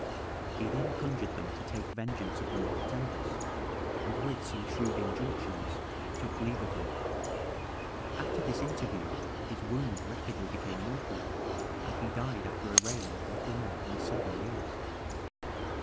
He then conjured them to take vengeance upon the pretenders, and with some shrewd injunctions, took leave of them. After this interview his wound rapidly became mortal, and he died after a reign of little more than seven years.